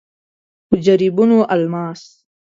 په جريبونو الماس.